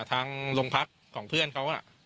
ทางโรงพักของเพื่อนเขา